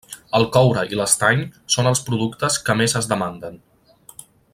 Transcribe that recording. El coure i l'estany són els productes que més es demanden.